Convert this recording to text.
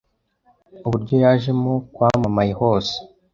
uburyo yajemo kwamamaye hose